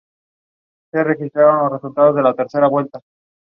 Buserelin is also marketed under the brand name Metrelef.